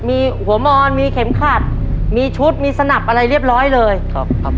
มีหัวมอนมีเข็มขัดมีชุดมีสนับอะไรเรียบร้อยเลยครับครับ